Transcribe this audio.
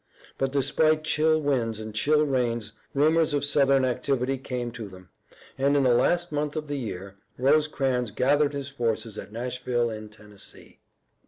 But despite chill winds and chill rains rumors of Southern activity came to them, and in the last month of the year Rosecrans gathered his forces at Nashville in Tennessee.